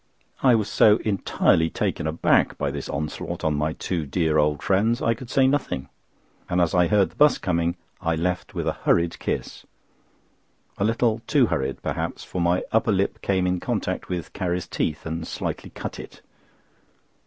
I was so entirely taken back by this onslaught on my two dear old friends, I could say nothing, and as I heard the 'bus coming, I left with a hurried kiss—a little too hurried, perhaps, for my upper lip came in contact with Carrie's teeth and slightly cut it.